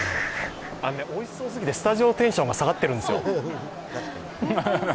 おいしそうすぎてスタジオのテンション下がってるんですよ。